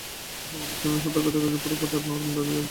এই সময়ে মধুসূদনের সতর্কতায় রজবপুরের পাটের নাম দাঁড়িয়ে গেল।